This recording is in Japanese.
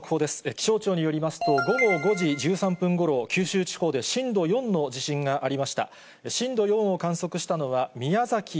気象庁によりますと、午後５時１３分ごろ、九州地方で震度４の地震がありました。